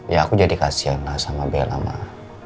ya aku jadi kasian lah sama bela mah